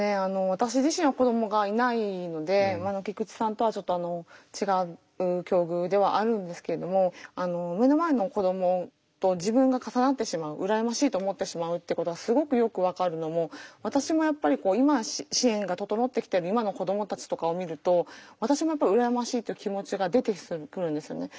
私自身は子どもがいないので菊池さんとはちょっと違う境遇ではあるんですけれども目の前の子どもと自分が重なってしまう羨ましいと思ってしまうってことはすごくよく分かるのも私もやっぱり今は支援が整ってきている今の子どもたちとかを見ると私もやっぱり羨ましいという気持ちが出てくるんですよね。